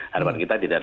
harapan kita tidak ada